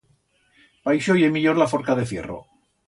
Pa ixo ye millor la forca de fierro.